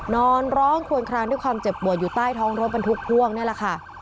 นอนร้องควนคลางด้วยความเจ็บปวดอยู่ใต้ท้องรถบรรทุกพ่วงนี่แหละค่ะ